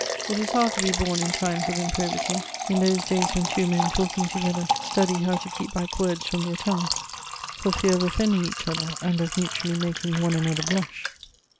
It is hard to be born in times of improbity, in those days when two men talking together study how to keep back words from their tongue, for fear of offending each other and of mutually making one another blush.